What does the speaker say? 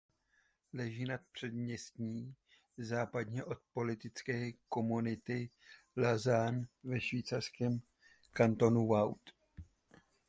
Leží na předměstí západně od politické komunity Lausanne ve švýcarském kantonu Vaud.